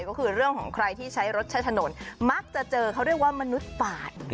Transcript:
ก็คือเรื่องของใครที่ใช้รถใช้ถนนมักจะเจอเขาเรียกว่ามนุษย์ปาด